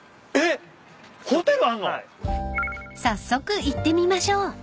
［早速行ってみましょう］